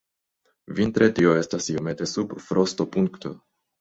Vintre tio estas iomete sub frostopunkto.